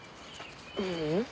ううん。